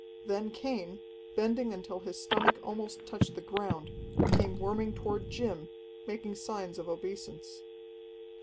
Then Cain, bending until his stomach almost touched the ground, came worming toward Jim, making signs of obeisance.